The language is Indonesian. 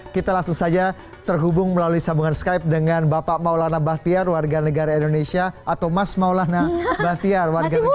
kita langsung saja terhubung melalui sambungan skype dengan bapak maulana bahtiar warga negara indonesia atau mas maulana bahtiar warga negara